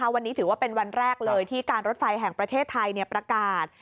วันนี้ถือว่าเป็นวันแรกเลยที่การรถไฟแห่งประเทศไทยประกาศ